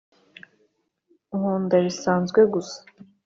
kunda bisanzwe gusa